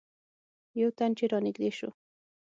یو تن چې رانږدې شو.